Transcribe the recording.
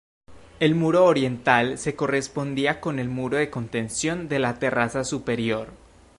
El muro oriental se correspondía con el muro de contención de la terraza superior.